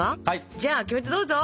じゃあキメテどうぞ！